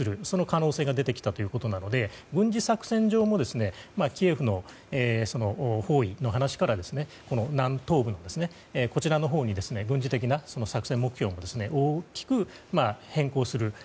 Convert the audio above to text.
その可能性が出てきたということなので軍事作戦上もキエフの包囲の話から南東部のほうに軍事的な作戦目標を大きく変更する。